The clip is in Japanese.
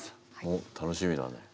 おっ楽しみだね。